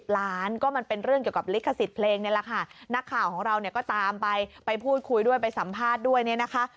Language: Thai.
ล้านก็มันเป็นเรื่องเกี่ยวกับลิขสิทธิ์เพลงนี่แหละค่ะนักข่าวของเราเนี่ยก็ตามไปไปพูดคุยด้วยไปสัมภาษณ์ด้วยเนี่ยนะคะ